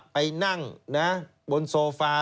ไปนั่งบนโซฟา